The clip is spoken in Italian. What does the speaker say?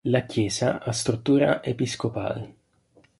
La Chiesa ha struttura episcopale.